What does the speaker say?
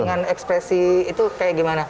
dengan ekspresi itu kayak gimana